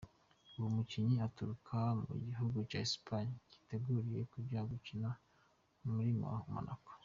Uwo mukinyi aturuka mu gihugu ca Espagne yiteguriye kuja gukina muri Monaco.